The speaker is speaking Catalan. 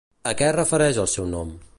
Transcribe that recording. A què es refereix el seu nom?